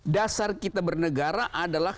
dasar kita bernegara adalah